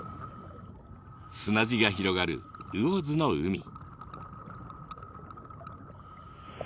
砂地が広がる魚津の海。